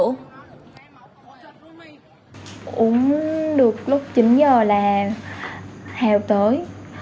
uống được lúc chín h là hẹo tới